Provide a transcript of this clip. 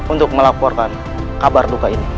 untuk melaporkan kabar duka ini